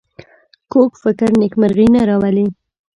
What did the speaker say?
کوږ فکر نېکمرغي نه راولي